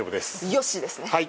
よしですね。